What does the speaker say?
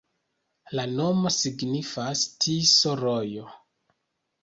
La nomo signifas: Tiso-rojo.